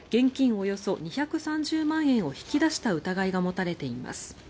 およそ２３０万円を引き出した疑いが持たれています。